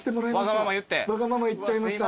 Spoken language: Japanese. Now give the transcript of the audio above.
わがまま言っちゃいました。